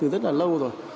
rất là lâu rồi